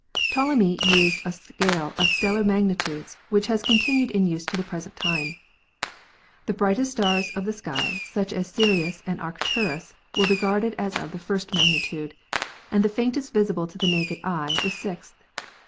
Ptolemy used a scale of stellar mag nitudes, which has continued in use to the present time. The brightest stars of the sky, such as Sirius and Arc turus, were regarded as of the first magnitude, and the faintest visible to the naked eye the sixth.